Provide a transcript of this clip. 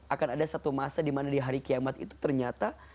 akan ada satu masa dimana di hari kiamat itu ternyata